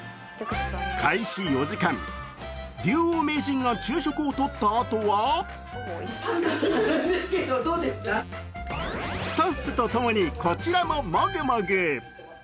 開始４時間、竜王名人が昼食をとったあとはスタッフとともに、こちらもモグモグ。